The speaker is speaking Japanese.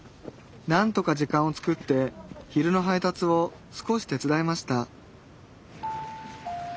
何とか時間を作って昼の配達を少し手伝いました